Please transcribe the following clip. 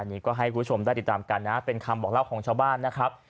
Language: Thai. นี่ก็ให้คุณผู้ชมได้ติดตามกันนะเป็นคำบอกเล่าของชาวบ้านนะครับ